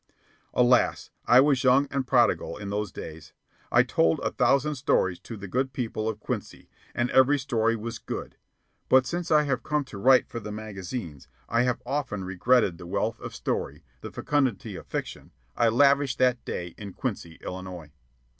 Alas, I was young and prodigal in those days! I told a thousand "stories" to the good people of Quincy, and every story was "good"; but since I have come to write for the magazines I have often regretted the wealth of story, the fecundity of fiction, I lavished that day in Quincy, Illinois.